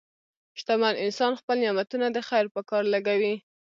شتمن انسان خپل نعمتونه د خیر په کار لګوي.